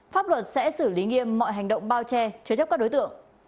pháp luật sẽ xử lý nghiêm mọi hành động bao che chứa chấp các đối tượng